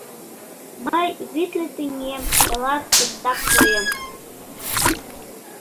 Мый витле теҥгем тылат кызытак пуэм.